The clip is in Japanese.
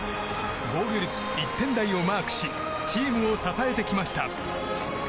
防御率１点台をマークしチームを支えてきました。